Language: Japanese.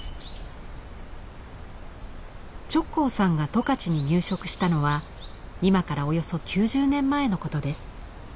直行さんが十勝に入植したのは今からおよそ９０年前のことです。